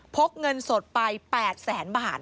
กเงินสดไป๘แสนบาท